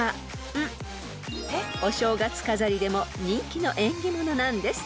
［お正月飾りでも人気の縁起物なんです］